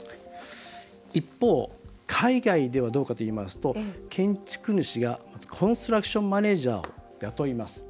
一方、海外ではどうかといいますと建築主がコンストラクションマネージャーを雇います。